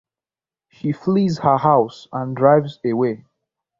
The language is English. She flees her house and drives away.